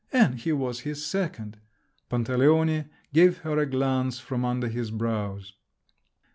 "And he was his second!" Pantaleone gave her a glance from under his brows.